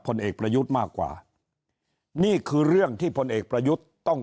ผลเอกประยุทธ์มากกว่านี่คือเรื่องที่พลเอกประยุทธ์ต้อง